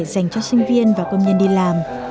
dành cho sinh viên và công nhân đi làm